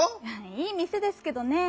いいみせですけどねぇ。